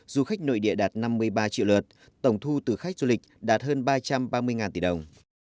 du khách nội địa đạt năm mươi ba triệu lượt tổng thu từ khách du lịch đạt hơn ba trăm ba mươi tỷ đồng